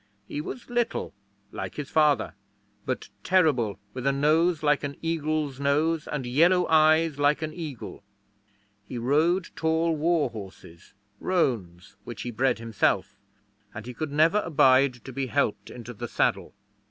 He was little, like his father, but terrible, with a nose like an eagle's nose and yellow eyes like an eagle. He rode tall warhorses roans, which he bred himself and he could never abide to be helped into the saddle.